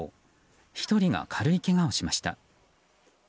１人が軽いけがをしました。